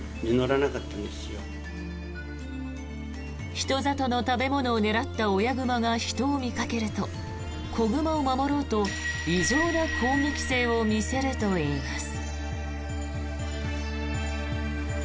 人里の食べ物を狙った親熊が人を見かけると子熊を守ろうと異常な攻撃性を見せるといいます。